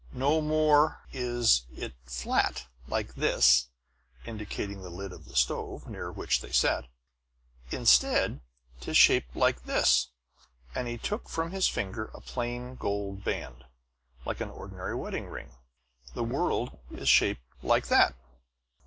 No more is it flat, like this," indicating the lid of the stove, near which they sat. "Instead, 'tis shaped thus" and he took from his finger a plain gold band, like an ordinary wedding ring "the world is shaped like that!"